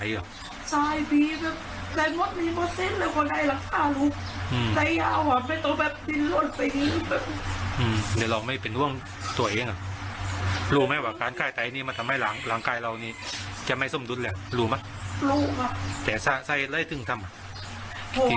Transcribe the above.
อยู่อยู่ได้อยู่อยู่นี่นี่